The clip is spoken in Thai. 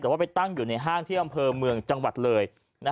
แต่ว่าไปตั้งอยู่ในห้างที่อำเภอเมืองจังหวัดเลย